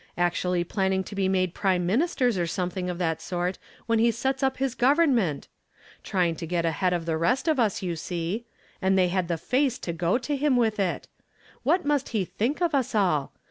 Actually plam ing to be made prime ministers or something of that sort when he sets up his government ! Trying to get ahead of the rest of us, you see ; and they had the face to go to him with it ! What must he think of us all?